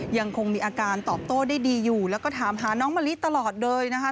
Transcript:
ยังคงมีอาการตอบโต้ได้ดีอยู่แล้วก็ถามหาน้องมะลิตลอดเลยนะคะ